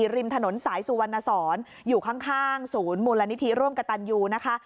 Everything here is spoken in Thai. ริมถนนสายสุวรรณสอนอยู่ข้างศูนย์มูลนิธิร่วมกับตันยูนะคะ